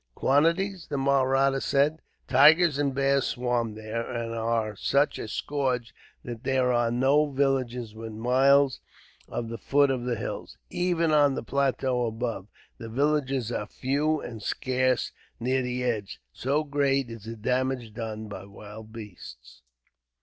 "Quantities?" the Mahratta said. "Tigers and bears swarm there, and are such a scourge that there are no villages within miles of the foot of the hills. Even on the plateau above, the villages are few and scarce near the edge, so great is the damage done by wild beasts.